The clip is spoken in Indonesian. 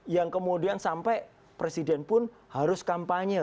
yang kemudian sampai presiden pun harus kampanye